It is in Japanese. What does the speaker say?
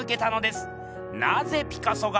なぜピカソが。